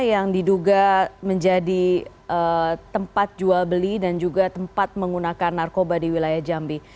yang diduga menjadi tempat jual beli dan juga tempat menggunakan narkoba di wilayah jambi